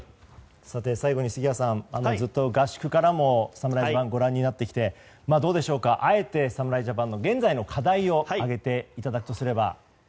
最後に杉谷さんずっと合宿からも侍ジャパンをご覧になってきてどうでしょうかあえて侍ジャパンの現在の課題を挙げていただくとすれば。